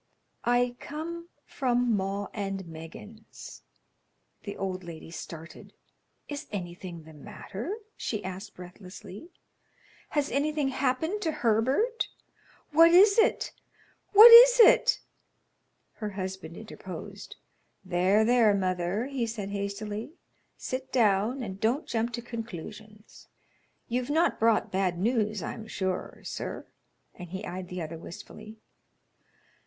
"I come from 'Maw and Meggins.'" The old lady started. "Is anything the matter?" she asked, breathlessly. "Has anything happened to Herbert? What is it? What is it?" Her husband interposed. "There, there, mother," he said, hastily. "Sit down, and don't jump to conclusions. You've not brought bad news, I'm sure, sir;" and he eyed the other wistfully.